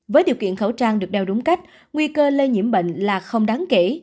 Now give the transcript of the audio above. với điều kiện khẩu trang được đeo đúng cách nguy cơ lây nhiễm bệnh là không đáng kể